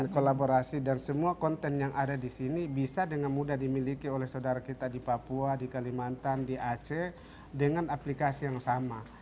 kolaborasi dan semua konten yang ada di sini bisa dengan mudah dimiliki oleh saudara kita di papua di kalimantan di aceh dengan aplikasi yang sama